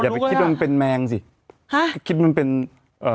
อย่าไปคิดมันเป็นแมงสิหะคิดมันเป็นเอ่ออ๋อ